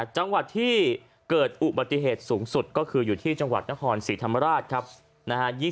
จังหวัดที่เกิดอุบัติเหตุสูงสุดก็คืออยู่ที่จังหวัดนครศรีธรรมราชครับนะฮะ